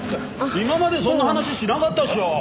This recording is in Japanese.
今までそんな話しなかったっしょ！